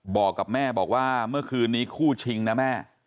บอกกับแม่บอกว่าเมื่อคืนนี้คู่ชิงนะแม่